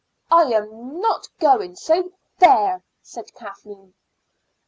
"I'm not going, so there!" said Kathleen.